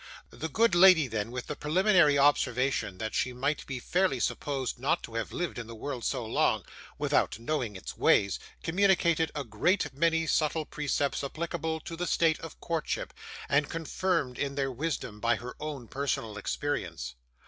The good lady then, with the preliminary observation that she might be fairly supposed not to have lived in the world so long without knowing its ways, communicated a great many subtle precepts applicable to the state of courtship, and confirmed in their wisdom by her own personal experience.